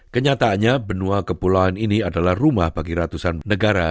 kenyataannya benua kepulauan ini adalah rumah bagi ratusan negara